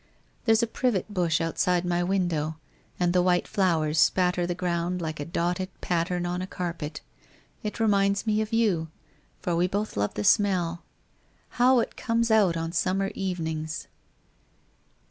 There's a privet bush outside my window and the white flowers spatter the ground like a dotted pattern on a carpet. It reminds me of you, for we both love the smell. How it comes out on summer evenings